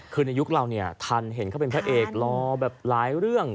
คือในยุคเราเนี่ยทันเห็นเขาเป็นพระเอกรอแบบหลายเรื่อง